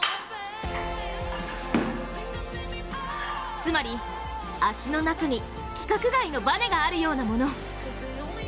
つまり、足の中に規格外のバネがあるようなもの。